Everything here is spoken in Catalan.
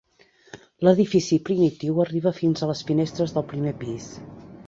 L'edifici primitiu arriba fins a les finestres del primer pis.